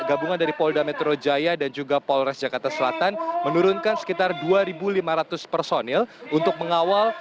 gabungan dari polda metro jaya dan juga polres jakarta selatan menurunkan sekitar dua lima ratus personil untuk mengawal